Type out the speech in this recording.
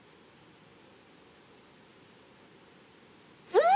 うん！